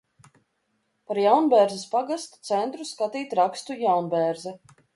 Par Jaunbērzes pagasta centru skatīt rakstu Jaunbērze.